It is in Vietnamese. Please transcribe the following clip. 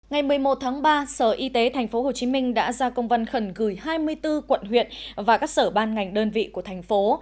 ngày một mươi một tháng ba sở y tế tp hcm đã ra công văn khẩn gửi hai mươi bốn quận huyện và các sở ban ngành đơn vị của thành phố